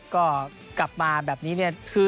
ก็กลับมาแบบนี้เนี่ย